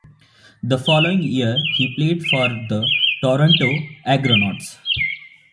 The following year he played for the Toronto Argonauts.